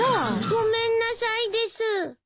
ごめんなさいです。